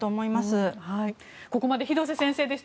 ここまで廣瀬先生でした。